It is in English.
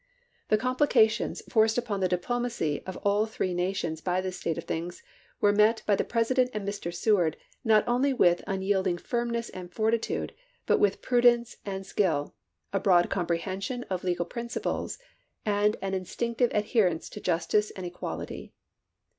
The com plications forced upon the diplomacy of all three nations by this state of things were met by the President and Mr. Seward, not only with unyield ing firmness and fortitude, but with prudence and skill, a broad comprehension of legal principles, and an instinctive adherence to justice and equity.